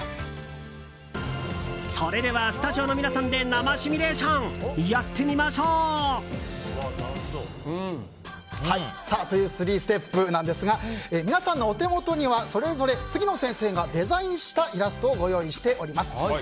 それではスタジオの皆さんで生趣味レーションやってみましょう！という３ステップなんですが皆さんのお手元にはそれぞれ杉野先生がデザインしたイラストをご用意しております。